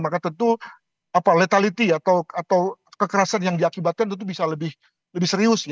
maka tentu letality atau kekerasan yang diakibatkan tentu bisa lebih serius